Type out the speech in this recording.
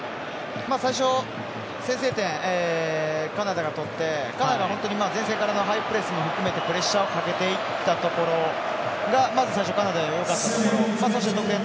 最初、先制点カナダが取ってカナダが前線からのハイプレスも含めてプレッシャーをかけていったところが最初、カナダのよかったところ。